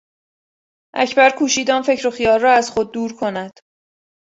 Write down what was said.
اکبر کوشید آن فکر و خیال را از خود دور کند.